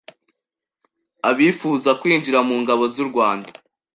Abifuza kwinjira mu ngabo z’ u Rwanda